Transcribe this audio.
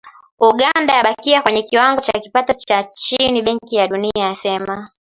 Uganda yabakia kwenye kiwango cha kipato cha chini Benki ya Dunia yasema